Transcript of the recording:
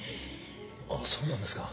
ああそうなんですか。